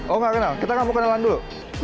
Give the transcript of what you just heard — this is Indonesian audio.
oh nggak kenal kita kan mau kenalan dulu